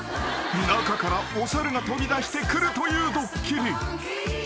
［中からお猿が飛び出してくるというドッキリ］